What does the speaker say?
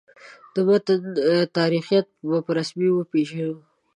د متن تاریخیت به په رسمیت وپېژنو.